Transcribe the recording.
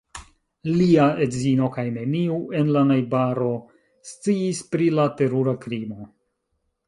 Lia edzino kaj neniu en la najbaro sciis pri la terura krimo.